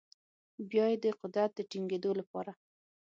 بیا یې د قدرت د ټینګیدو لپاره